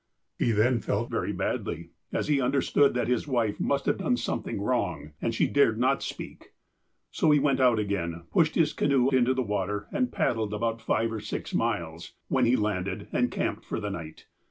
'' He then felt very badly, as he understood that his wife must have done something wrong, as she dared not speak. So he went out again, pushed his canoe into the water, and paddled about five or sis miles, when he landed and camped for the night.